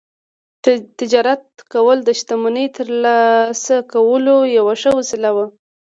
تجارت کول د شتمنۍ ترلاسه کولو یوه ښه وسیله وه